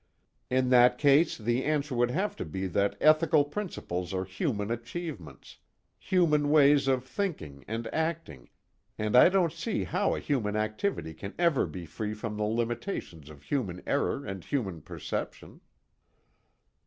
_ "In that case the answer would have to be that ethical principles are human achievements, human ways of thinking and acting, and I don't see how a human activity can ever be free from the limitations of human error and human perception."